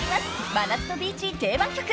真夏のビーチ定番曲］